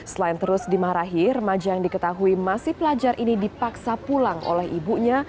selain terus dimarahi remaja yang diketahui masih pelajar ini dipaksa pulang oleh ibunya